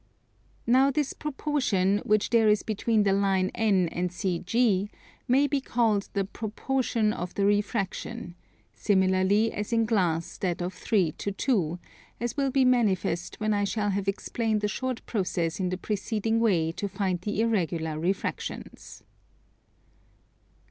Now this proportion, which there is between the line N and CG, may be called the Proportion of the Refraction; similarly as in glass that of 3 to 2, as will be manifest when I shall have explained a short process in the preceding way to find the irregular refractions.